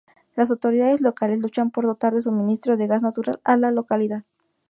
Las autoridades locales luchan por dotar de suministro de gas natural a la localidad.